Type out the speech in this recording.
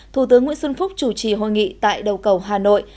thủ tướng nguyễn xuân phúc chủ trì hội nghị tại đầu cầu hà nội